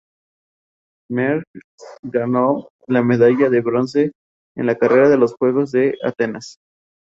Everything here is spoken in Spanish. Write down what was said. El primero de esta en incorporar el modo y los sobres.